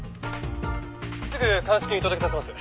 「すぐ鑑識に届けさせます」